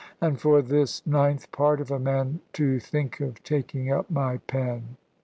And for this ninth part of a man to think of taking up my pen!